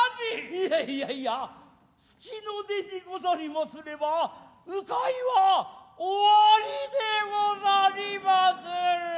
いやいやいや月の出でござりますれば鵜飼は鬼でござりまする。